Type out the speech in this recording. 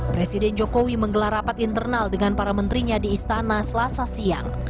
presiden jokowi menggelar rapat internal dengan para menterinya di istana selasa siang